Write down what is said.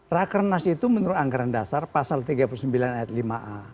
rakernas itu menurut anggaran dasar pasal tiga puluh sembilan ayat lima a